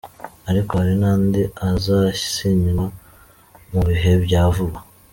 Ariko hari n’andi azasinywa mu bihe bya vuba.”